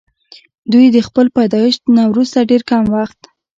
دوي د خپل پيدائش نه وروستو ډېر کم وخت